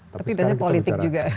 tapi banyak politik juga